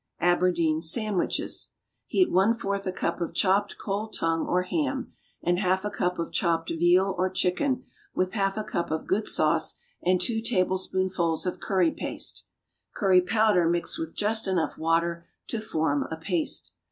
=Aberdeen Sandwiches.= Heat one fourth a cup of chopped cold tongue or ham, and half a cup of chopped veal or chicken, with half a cup of good sauce and two tablespoonfuls of curry paste (curry powder mixed with just enough water to form a paste).